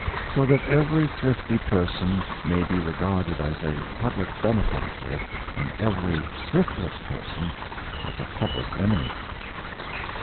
So that every thrifty person may be re garded as a public benefactor, and every thriftless per son as a public enemy.